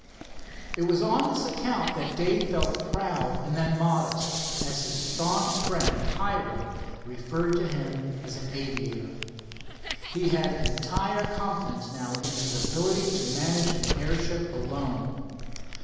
It was on this account that Dave felt proud and then modest, as his staunch friend, Hiram, referred to him as an aviator. He had entire confidence now in his ability to manage an airship alone.